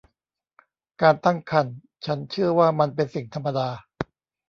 การตั้งครรภ์ฉันเชื่อว่ามันเป็นสิ่งธรรมดา